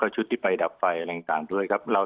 และชุดที่ไปดับไฟอะไรอย่างต่าง